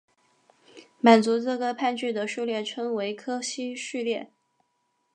满足这个判据的数列称为柯西序列。